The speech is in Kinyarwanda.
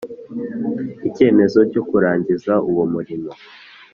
icyemezo cyo kurangiza uwo murimo